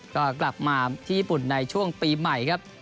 ก็กลับมาที่ญี่ปุ่นในช่วงปีใหม่ครับ